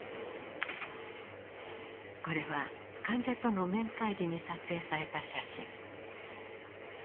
これは患者との面会時に撮影された写真。